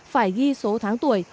phải ghi số tháng tuổi